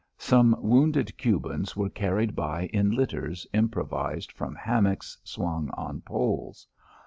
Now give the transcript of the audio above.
Some wounded Cubans were carried by in litters improvised from hammocks swung on poles.